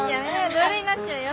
同類になっちゃうよ。